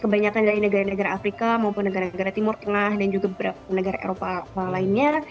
kebanyakan dari negara negara afrika maupun negara negara timur tengah dan juga beberapa negara eropa lainnya